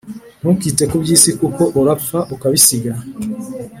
Ntukite kubyisi kuko urapfa ukabisiga